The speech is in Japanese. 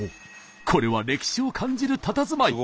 これは歴史を感じるたたずまい。